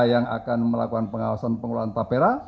yang akan melakukan pengawasan pengelolaan tapera